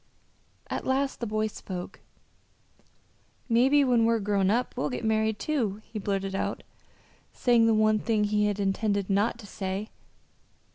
At last the boy spoke. "Mebbe when we're grown up we'll get married, too," he blurted out, saying the one thing he had intended not to say.